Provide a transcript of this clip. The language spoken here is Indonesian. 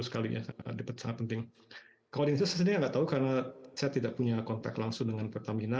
kalau di indonesia saya nggak tahu karena saya tidak punya kontak langsung dengan pertamina